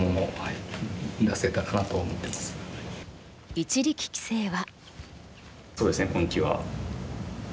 一力棋聖は。